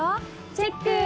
チェック！